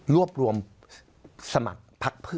รวบรวมสมัคร